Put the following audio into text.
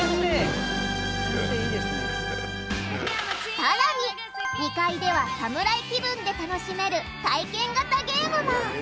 更に２階ではサムライ気分で楽しめる体験型ゲームも。